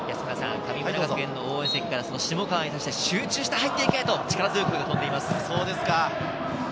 神村学園の応援席、下川に対して集中して入っていけ！という力強い言葉が飛んでいます。